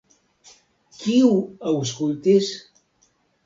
Kiu aŭskultis?